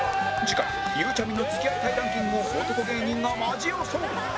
次回ゆうちゃみの付き合いたいランキングを男芸人がマジ予想